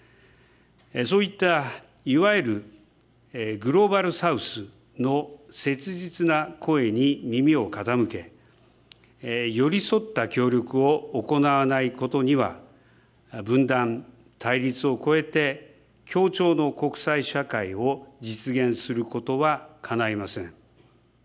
そういったいわゆるグローバル・サウスの切実な声に耳を傾け、寄り添った協力を行わないことには、分断・対立を超えて、協調の国際社会を実現することはかないません。